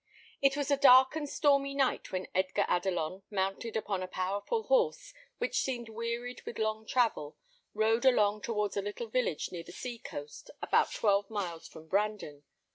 It was a dark and stormy night when Edgar Adelon, mounted upon a powerful horse, which seemed wearied with long travel, rode along towards a little village near the sea coast, about twelve miles from Brandon.